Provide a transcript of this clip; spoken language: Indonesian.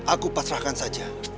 aku pasrahkan saja